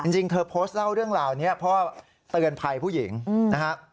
จริงเธอโพสต์เล่าเรื่องราวนี้เพราะเตือนภัยผู้หญิงนะฮะ